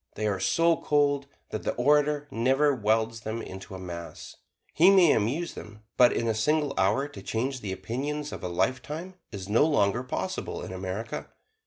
They are so cold that the orator never welds them into a mass. He may amuse them, but in a single hour to change the opinions of a lifetime is no longer possible in America.